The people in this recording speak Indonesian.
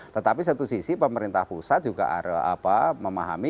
tetapi satu sisi pemerintah pusat juga memahami